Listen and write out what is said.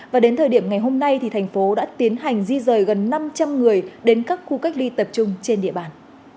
và đến thời điểm ngày hôm nay thành phố đã tiến hành di rời gần năm trăm linh người đến các khu cách ly tập trung trên địa bàn